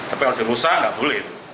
tapi kalau dirusak nggak boleh